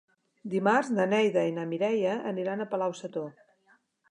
Dimarts na Neida i na Mireia aniran a Palau-sator.